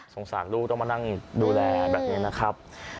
สารลูกต้องมานั่งดูแลแบบนี้นะครับ